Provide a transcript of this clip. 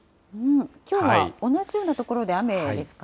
きょうは同じような所で雨ですか。